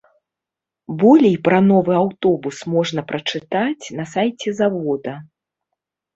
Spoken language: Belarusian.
Болей пра новы аўтобус можна прачытаць на сайце завода.